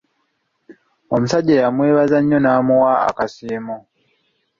Omusajja yamwebaza nnyo n'amuwa akasiimo.